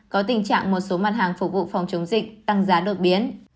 có tình trạng một số mặt hàng phục vụ phòng chống dịch tăng giá đột biến